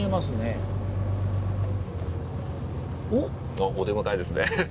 おっ！お出迎えですね。